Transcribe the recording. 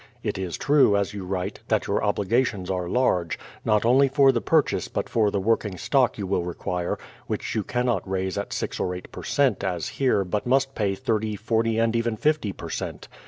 It is true, as you write, that your obligations are large, not only for the purchase but for the working stock you will require, which you cannot raise at 6 or 8 per cent, as here but must pay 30, 40 and even 50 per cent.